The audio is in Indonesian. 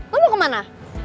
lo mau kemana